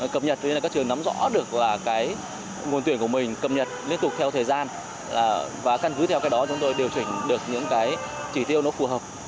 cập nhật cho nên là các trường nắm rõ được là cái nguồn tuyển của mình cập nhật liên tục theo thời gian và căn cứ theo cái đó chúng tôi điều chỉnh được những cái chỉ tiêu nó phù hợp